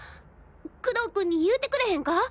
工藤君に言うてくれへんか？